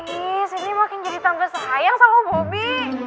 ih sindi makin jadi tante sayang sama bubi